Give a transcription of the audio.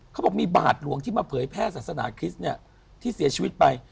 เขาบอกมีบาทหลวงที่มาเผยแพร่ศาสนาคริสต์เนี่ยที่เสียชีวิตไป